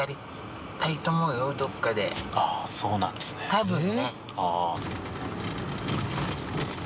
多分ね。